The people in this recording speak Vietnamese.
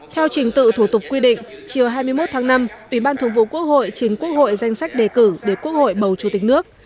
theo trình tự thủ tục quy định chiều hai mươi một tháng năm ủy ban thường vụ quốc hội chính quốc hội danh sách đề cử để quốc hội bầu chủ tịch nước